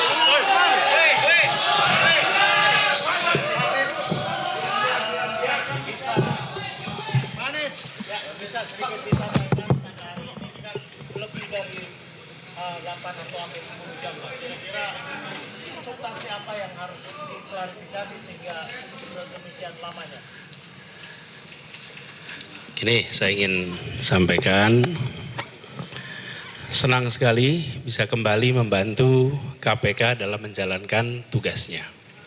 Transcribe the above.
saya ingin sampaikan senang sekali bisa kembali membantu kpk dalam menjalankan tugasnya